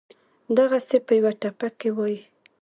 دغسې پۀ يوه ټپه کښې وائي: